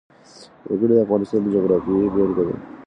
وګړي د افغانستان د جغرافیې بېلګه ده.